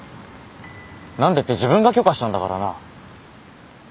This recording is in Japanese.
何でって自分が許可したんだからな